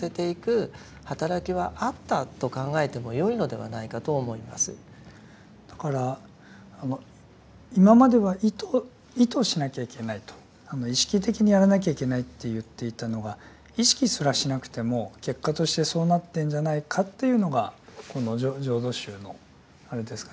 でもこれはよく考えてみますとそういう意味でだから今までは意図しなきゃいけないと意識的にやらなきゃいけないって言っていたのが意識すらしなくても結果としてそうなってんじゃないかというのがこの浄土宗のあれですかね。